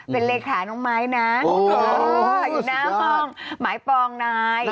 เป็นเลขาน้องไม้นะอยู่หน้าห้องหมายปองนาย